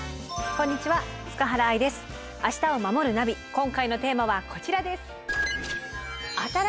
今回のテーマはこちらです。